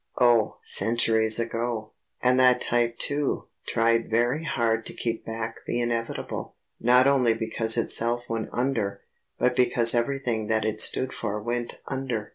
Oh, centuries ago. And that type too, tried very hard to keep back the inevitable; not only because itself went under, but because everything that it stood for went under.